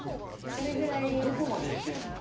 どこまでいけんの？